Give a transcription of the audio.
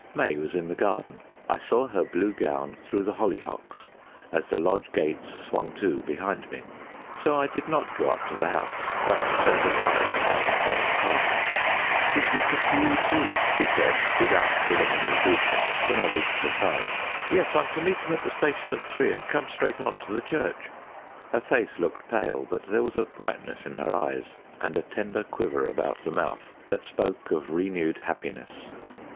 May was in the garden. I saw her blue gown through the hollyhocks as the lodge gates swung to behind me. So I did not go up to the house, but turned aside down the turfed path. "He's written to you too," she said, without preliminary greeting, when I reached her side. "Yes, I'm to meet him at the station at three, and come straight on to the church." Her face looked pale, but there was a brightness in her eyes, and a tender quiver about the mouth that spoke of renewed happiness.